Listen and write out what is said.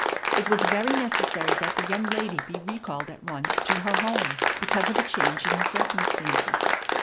It was very necessary that the young lady be recalled at once to her home because of a change in the circumstances.